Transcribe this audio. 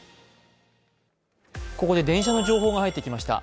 ここで電車の情報が入ってきました。